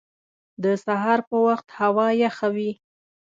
د سهار په وخت هوا یخه وي